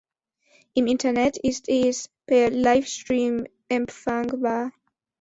Im Internet ist es per Livestream empfangbar.